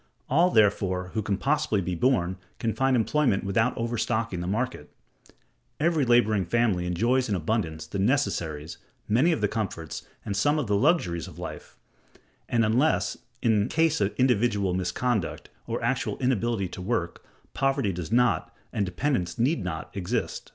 All, therefore, who can possibly be born can find employment without overstocking the market: every laboring family enjoys in abundance the necessaries, many of the comforts, and some of the luxuries of life; and, unless in case of individual misconduct, or actual inability to work, poverty does not, and dependence need not, exist.